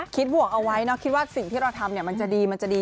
บวกเอาไว้เนาะคิดว่าสิ่งที่เราทำมันจะดีมันจะดี